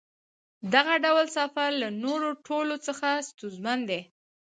دغه ډول سفر له نورو ټولو څخه ستونزمن دی.